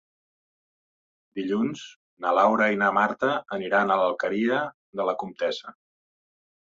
Dilluns na Laura i na Marta aniran a l'Alqueria de la Comtessa.